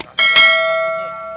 apa yang ditakutin bro